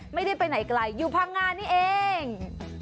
ไม่ได้ไปไหนไกลอยู่พังงานี่เอง